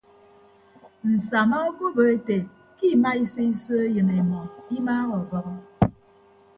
Nsama okobo ete ke ima ise iso eyịn emọ imaaha ọbọhọ.